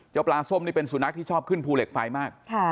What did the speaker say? ปลาส้มนี่เป็นสุนัขที่ชอบขึ้นภูเหล็กไฟมาก